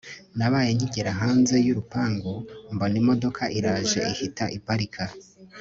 nabaye nkigera hanze yurupangu mbona imodoka iraje ihita iparika